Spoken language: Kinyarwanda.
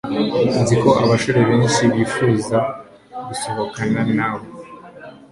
nzi ko abasore benshi bifuza gusohokana nawe